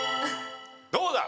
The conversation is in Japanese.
どうだ？